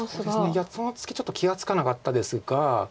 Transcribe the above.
いやそのツケちょっと気が付かなかったですが。